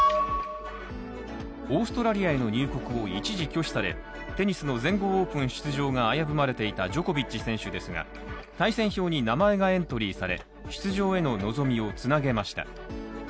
オーストラリアへの入国を一時拒否されテニスの全豪オープン出場が危ぶまれていたジョコビッチ選手ですが、対戦表に名前がエントリーされ、出場への望みを繋げました。